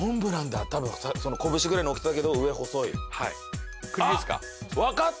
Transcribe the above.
多分拳ぐらいの大きさだけど上細い。